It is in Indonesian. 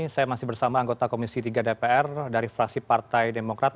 saya masih bersama anggota komisi tiga dpr dari fraksi partai demokrat